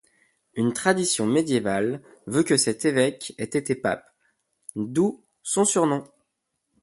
Une tradition médiévale veut que cet évêque ait été pape, d'où son surnom.